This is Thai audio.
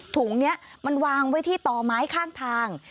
ถุงนี้มันวางไว้ที่ต่อไม้ข้างทาง